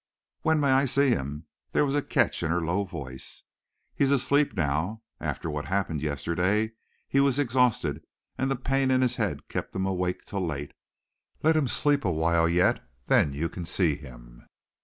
"When may I see him?" There was a catch in her low voice. "He's asleep now. After what happened yesterday he was exhausted, and the pain in his head kept him awake till late. Let him sleep a while yet. Then you can see him."